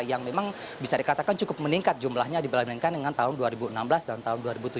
yang memang bisa dikatakan cukup meningkat jumlahnya dibandingkan dengan tahun dua ribu enam belas dan tahun dua ribu tujuh belas